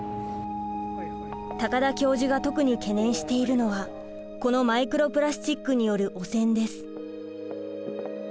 高田教授が特に懸念しているのはこのマイクロプラスチックによる汚染です。